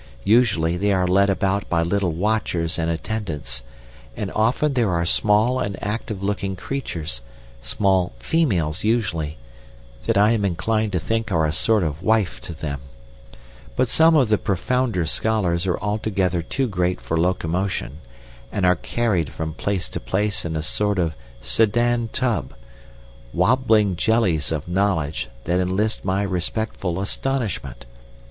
Usually they are led about by little watchers and attendants, and often there are small and active looking creatures, small females usually, that I am inclined to think are a sort of wife to them; but some of the profounder scholars are altogether too great for locomotion, and are carried from place to place in a sort of sedan tub, wabbling jellies of knowledge that enlist my respectful astonishment.